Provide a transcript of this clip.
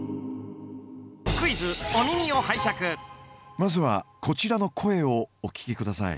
まずはこちらの声をお聞きください。